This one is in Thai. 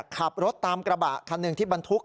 ขับรถตามกระบะคันหนึ่งที่บรรทุก